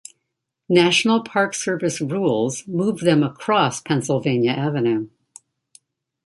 National Park Service rules moved them across Pennsylvania Avenue.